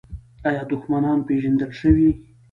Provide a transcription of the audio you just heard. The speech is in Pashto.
آیا دښمنان پیژندل شوي؟